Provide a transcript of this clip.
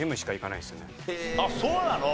あっそうなの？